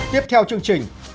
tiếp theo chương trình